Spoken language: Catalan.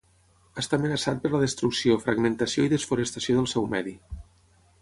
Està amenaçat per la destrucció, fragmentació i desforestació del seu medi.